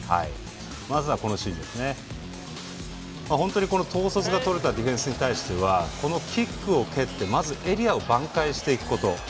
まずは、本当に統率のとれたディフェンスに対してはキックを蹴ってエリアを挽回していくこと。